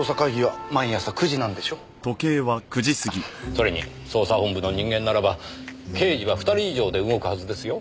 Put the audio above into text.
それに捜査本部の人間ならば刑事は２人以上で動くはずですよ？